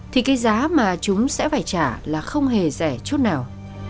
thì cái giá mà chúng sẽ phải trả là không hề rẻ chút nào